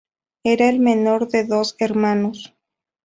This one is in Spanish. Era el menor de dos hermanos.